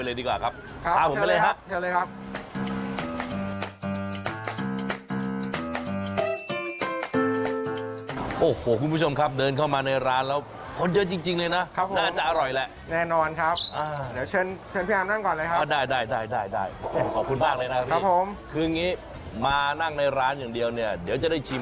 เดี๋ยวแนะนำให้รู้จักเลยครับงั้นเข้าไปเลยดีกว่าครับ